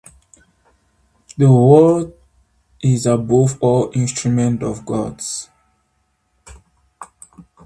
The word is above all the instrument of the gods.